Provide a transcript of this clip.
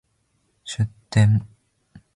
出店